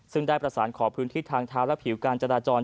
ซึ่งได้ประสานขอพื้นที่ทางเท้าและผิวการจราจร